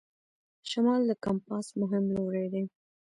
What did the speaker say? شمال د کمپاس مهم لوری دی.